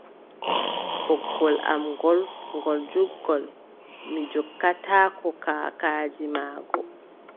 Ɓoggol am ngool, ngol juutngol, Mi jokkataako kaakaadi maagol.